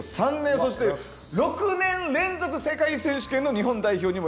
そして６年連続世界選手権の日本代表にも